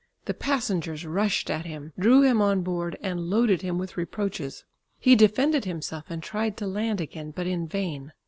The passengers rushed at him, drew him on board, and loaded him with reproaches. He defended himself and tried to land again, but in vain.